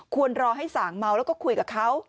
ควรรอให้สางเมาแล้วก็คุยกับเขา